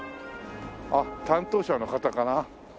あっ担当者の方かな？